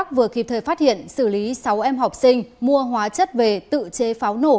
vừa kịp thời phát hiện xử lý sáu em học sinh mua hóa chất về tự chế pháo nổ